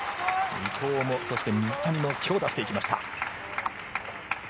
伊藤も、そして水谷も強打してきました。